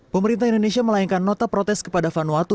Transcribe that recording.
pemerintah indonesia melayangkan nota protes kepada vanuatu